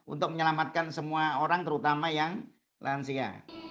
untuk menyelamatkan semua orang terutama yang lansia